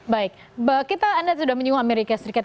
baik kita anda sudah menyinggung amerika serikat